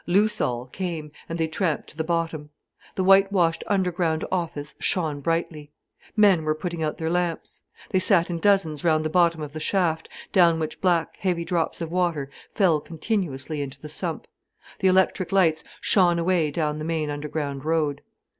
"Loose all" came, and they tramped to the bottom. The whitewashed underground office shone brightly. Men were putting out their lamps. They sat in dozens round the bottom of the shaft, down which black, heavy drops of water fell continuously into the sump. The electric lights shone away down the main underground road.